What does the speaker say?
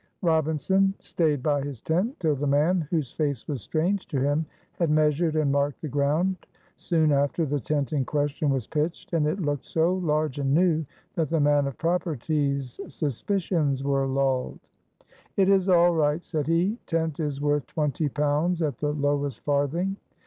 Robinson stayed by his tent till the man, whose face was strange to him, had measured and marked the ground. Soon after the tent in question was pitched, and it looked so large and new that the man of property's suspicions were lulled. "It is all right," said he, "tent is worth twenty pounds at the lowest farthing."